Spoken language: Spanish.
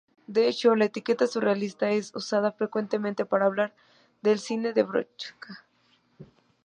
De hecho, la etiqueta "surrealista" es usada frecuentemente para hablar del cine de Broca.